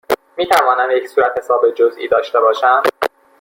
می توانم یک صورتحساب جزئی داشته باشم؟